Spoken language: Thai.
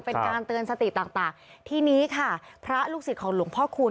เป็นการเตือนสติต่างทีนี้ค่ะพระลูกศิษย์ของหลวงพ่อคูณ